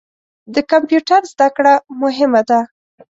د کمپیوټر زده کړه مهمه ده.